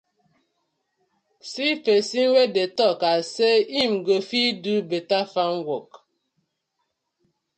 See pesin wey dey tok as say im go fit do betta farm wok.